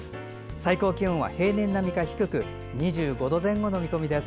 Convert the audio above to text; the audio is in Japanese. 最高気温は平年並みか低く２５度前後の見込みです。